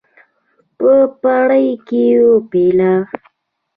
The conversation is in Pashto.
په پړي کې وپېله.